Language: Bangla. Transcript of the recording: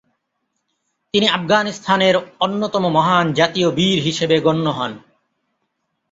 তিনি আফগানিস্তানের অন্যতম মহান জাতীয় বীর হিসেবে গণ্য হন।